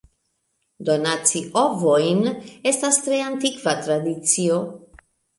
Donaci ovojn estas tre antikva tradicio.